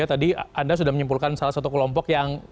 jadi tadi anda sudah menyimpulkan salah satu kelompok yang